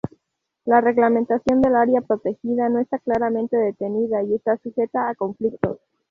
La reglamentación del área protegida no está claramente definida y está sujeta a conflictos.